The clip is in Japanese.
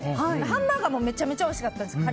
ハンバーガーもめちゃめちゃおいしかったです。